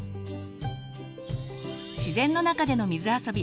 自然の中での水あそび。